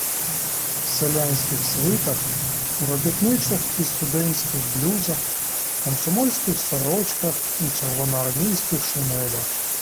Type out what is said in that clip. В селянських свитах, у робітничих і студентських блюзах, комсомольських сорочках і черво- ноармійських шинелях.